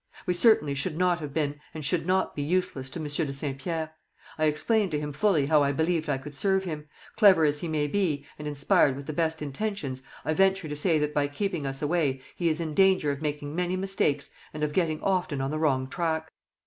We certainly should not have been and should not be useless to Monsieur de Saint Pierre. I explained to him fully how I believed I could serve him; clever as he may be, and inspired with the best intentions, I venture to say that by keeping us away he is in danger of making many mistakes and of getting often on the wrong track.